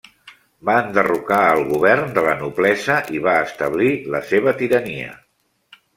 Va enderrocar al govern de la noblesa i va establir la seva tirania.